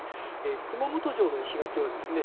熊本城の石垣はですね